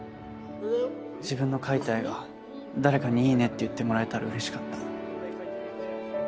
自分の描いた絵が誰かにいいねって言ってもらえたら嬉しかった。